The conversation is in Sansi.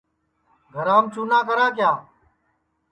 گھرام چُنا کرا کیا